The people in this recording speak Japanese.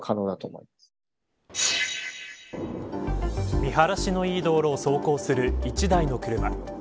見晴らしのいい道路を走行する１台の車。